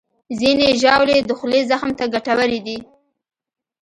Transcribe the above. ځینې ژاولې د خولې زخم ته ګټورې دي.